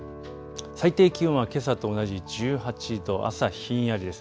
最低気温はけさと同じ１８度、朝ひんやりです。